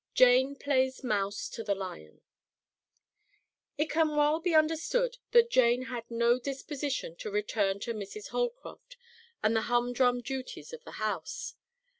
Jane Plays Mouse to the Lion It can well be understood that Jane had no disposition to return to Mrs. Holcroft and the humdrum duties of the house.